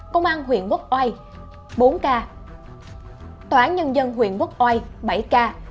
công an huyện quốc oai bốn ca tòa án nhân dân huyện quốc oai bảy k